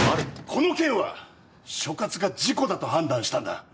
この件は所轄が事故だと判断したんだ。